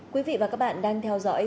quý vị và các bạn đang theo dõi